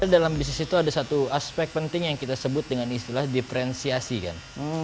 dalam bisnis itu ada satu aspek penting yang kita sebut dengan istilah diferensiasi kan